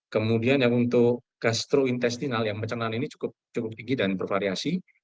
kemudian yang untuk gastrointestinal yang pencernaan ini cukup tinggi dan bervariasi